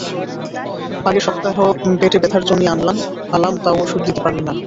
আগের সপ্তাহ প্যাটে ব্যথার জন্যি আলাম, তাও ওষুধ দিতি পারল না।